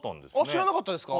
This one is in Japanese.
知らなかったですか？